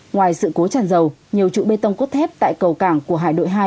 ngoài sự cố tràn dầu nhiều trụ bê tông cốt thép tại cầu cảng của hải đội hai